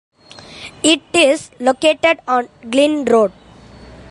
It is located on Glen Road.